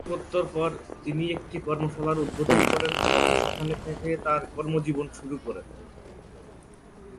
স্নাতকোত্তর পর, তিনি একটি কর্মশালার উদ্বোধন করেন এবং সেখানে থেকে তার কর্মজীবন শুরু করেন।